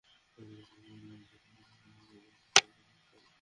তাই যখন যেখানেই গিয়েছেন, সবার আগে সেখানকার চায়ের খোঁজ নিতে ভুল করেননি।